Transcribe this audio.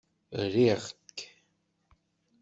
Riɣ-k!